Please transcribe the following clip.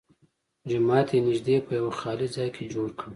جومات یې نږدې په یوه خالي ځای کې جوړ کړ.